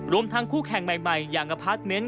รวมทั้งคู่แข่งใหม่อย่างอพาร์ทเมนต์